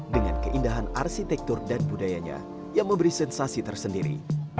dengan keindahan arsitektur dan budayanya yang memberi sensasi tersendiri